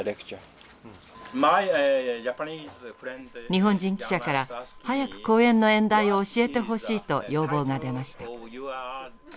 日本人記者から早く講演の演題を教えてほしいと要望が出ました。